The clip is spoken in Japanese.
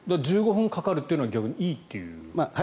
１５分かかるというのは逆にいいという？